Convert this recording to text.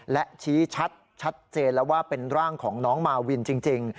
และชี้ชัดชัดเจนแล้วว่าเป็นร่างของน้องมาวินจริง